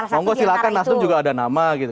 jadi pilih salah satu di antara itu